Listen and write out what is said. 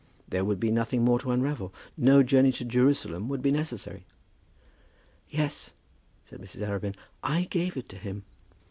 There would be nothing more to unravel; no journey to Jerusalem would be necessary! "Yes," said Mrs. Arabin, "I gave it to him.